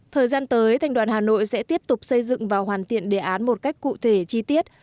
thời gian tới thành đoàn hà nội sẽ tiếp tục xây dựng và hoàn thiện đề án một cách cụ thể chi tiết